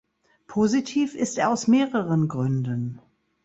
Positiv ist er aus mehreren Gründen.